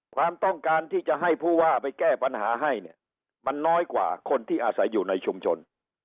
ความต้องการที่จะให้ผู้ว่าไปแก้ปัญหาให้เนี่ยมันน้อยกว่าคนที่อาศัยอยู่ในชุมชน